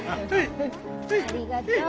ありがとう。